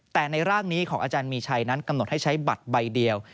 แต่ในร่างนี้ของอาจารย์มีชัยนั้นกำหนดให้ใช้บัตรใบเดียว